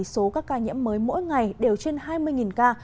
số các ca nhiễm mới mỗi ngày đều trên hai mươi ca